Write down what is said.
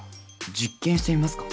実験してみますか？